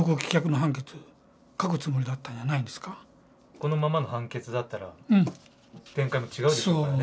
このままの判決だったら展開も違うでしょうからね。